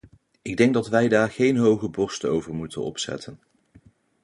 Ik denk dat wij daar geen hoge borst over moeten opzetten.